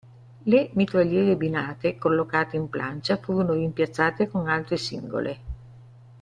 Le mitragliere binate collocate in plancia furono rimpiazzate con altre singole.